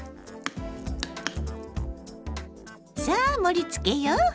さあ盛りつけよう！